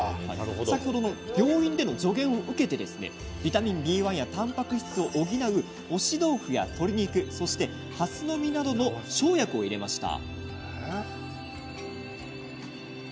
病院での助言を受けてビタミンＢ１やたんぱく質を補う押し豆腐や鶏肉、そしてハスの実などの生薬を入れました。